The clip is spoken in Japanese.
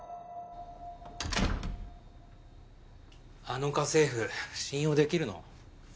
あの家政婦信用できるの？